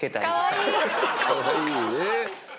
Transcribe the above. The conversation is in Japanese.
「かわいいよね」